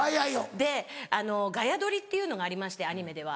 でガヤ録りっていうのがありましてアニメでは。